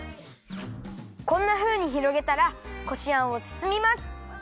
こんなふうにひろげたらこしあんをつつみます。